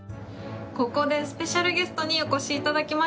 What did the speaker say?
ここでスペシャルゲストにお越しいただきました。